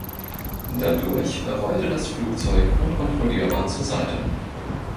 Dadurch rollte das Flugzeug unkontrollierbar zur Seite.